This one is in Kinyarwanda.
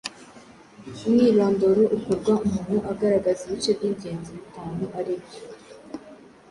Umwirondoro ukorwa umuntu agaragaza ibice by’ingenzi bitanu ari byo :